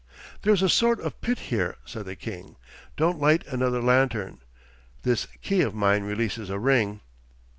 'There's a sort of pit here,' said the king. 'Don't light another lantern. This key of mine releases a ring....